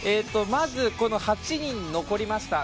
まず８人残りました。